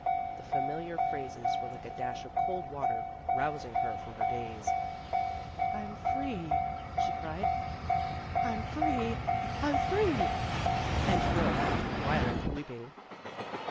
The familiar phrases were like a dash of cold water, rousing her from her daze. "I'm free," she cried, "I'm free! I'm free!" and broke into violent weeping.